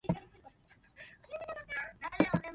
The potatoes they grow small and we pick them in the fall.